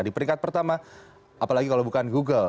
di peringkat pertama apalagi kalau bukan google